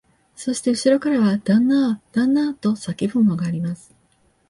そしてうしろからは、旦那あ、旦那あ、と叫ぶものがあります